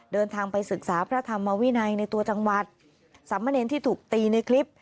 เดินทางไปศึกษาพระธรรมวินัยในตัวจังหวัดสามเณรที่ถูกตีในคลิป